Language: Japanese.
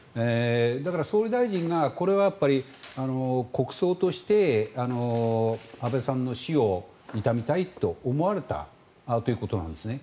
だから、総理大臣がこれはやっぱり国葬として安倍さんの死を悼みたいと思われたということなんですね。